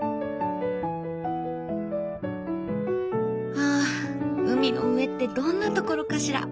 「ああ海の上ってどんなところかしら！